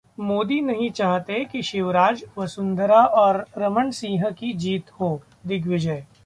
मोदी नहीं चाहते कि शिवराज, वसुंधरा और रमन सिंह की जीत हो: दिग्विजय